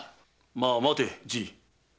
まあ待てじい。